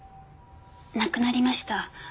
亡くなりました。